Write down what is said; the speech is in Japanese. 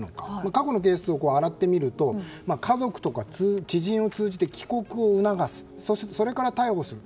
過去のケースを洗ってみると家族とか知人を通じて帰国を促すそれから逮捕する。